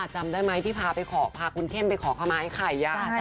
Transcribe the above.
จำได้ไหมที่พาไปขอพาคุณเข้มไปขอขมาไอ้ไข่